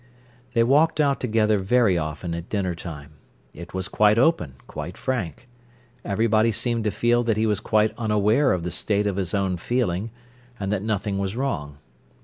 They walked out together very often at dinner time; it was quite open, quite frank. Everybody seemed to feel that he was quite unaware of the state of his own feeling, and that nothing was wrong.